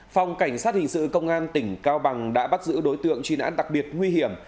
phòng cảnh sát hình sự công an tỉnh cao bằng đã bắt giữ đối tượng truy nãn đặc biệt nguy hiểm